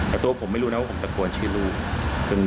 แต่ตัวผมไม่รู้นะว่าผมตะโกนชื่อลูก